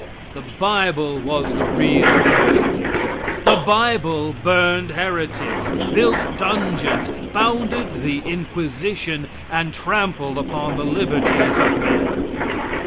The bible was the real persecutor. The bible burned heretics, built dungeons, founded the Inquisition, and trampled upon all the liberties of men.